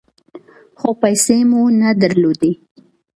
خو پیسې مو نه درلودې .